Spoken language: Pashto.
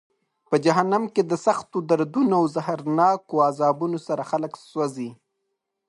په جهنم کې د سختو دردونو او زهرناکو عذابونو سره خلک سوزي.